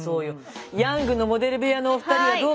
ヤングのモデル部屋のお二人はどうかしら。